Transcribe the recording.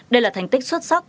đây là thành tích xuất sắc